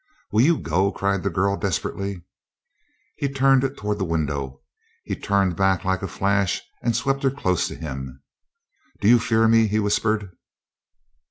"Will you go?" cried the girl desperately. He turned toward the window. He turned back like a flash and swept her close to him. "Do you fear me?" he whispered.